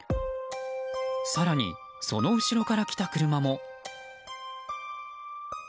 更に、その後ろから来た車も。